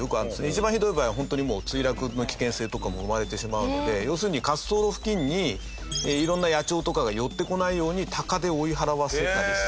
一番ひどい場合は、本当に、もう墜落の危険性とかも生まれてしまうので要するに、滑走路付近にいろんな野鳥とかが寄ってこないように鷹で追い払わせたり。